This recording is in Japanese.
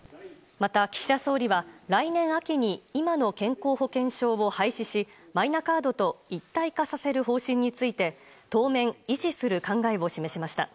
また岸田総理は、来年秋に今の健康保険証を廃止しマイナカードと一体化させる方針について当面、維持する考えを示しました。